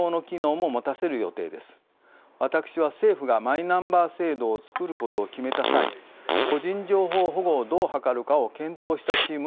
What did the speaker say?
私は政府がマイナンバー制度を作ることを決めた際個人情報保護をどう図るかを検討したチームの一員でした。